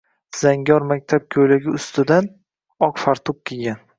Zangor maktab ko‘ylagi ustidan oq fartuk kiygan.